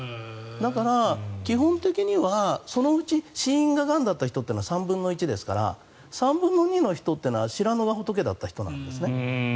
だから基本的にはそのうち死因ががんだった人は３分の１ですから３分の２の人というのは知らぬが仏だった人なんです。